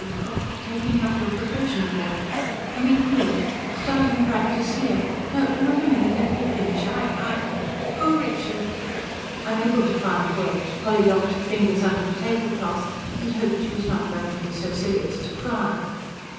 of taking up your profession again I mean here starting practice here? No, wait a minute! Let me finish. I ... I ... oh, Richard!" Unable to find words, Polly locked her fingers under the tablecloth and hoped she was not going to be so silly as to cry.